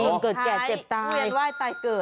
จริงเกิดแก่เจ็บตายท้ายเวียนไหว้ตายเกิดนะ